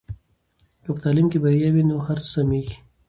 که په تعلیم کې بریا وي نو هر څه سمېږي.